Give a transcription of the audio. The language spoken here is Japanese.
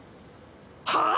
はあ⁉